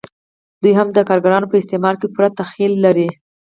دوی هم د کارګرانو په استثمار کې پوره دخیل دي